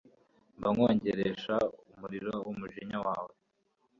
mbakongeresha umuriro wumujinya wanjye